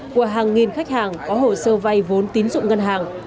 của hàng nghìn khách hàng có hồ sơ vay vốn tín dụng ngân hàng